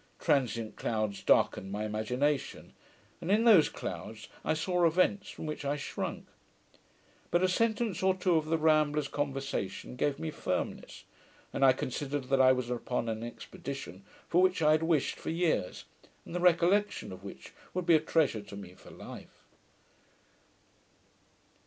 Transient clouds darkened my imagination, and in those clouds I saw events from which I shrunk; but a sentence or two of the Rambler's conversation gave me firmness, and I considered that I was upon an expedition for which I had wished for years, and the recollection of which would be a treasure to me for life.